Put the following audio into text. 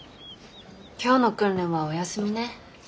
今日の訓練はお休みね。